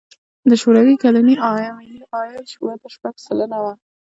د شوروي کلني ملي عاید وده شپږ سلنه وه.